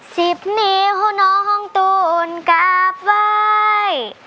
สิบนิ้วน้องตูนกราบไหว้